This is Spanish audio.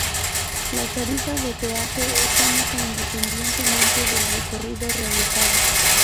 La tarifa de peaje es única independientemente del recorrido realizado.